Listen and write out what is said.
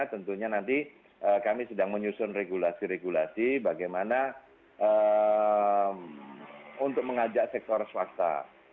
tentunya nanti kami sedang menyusun regulasi regulasi bagaimana untuk mengajak sektor swasta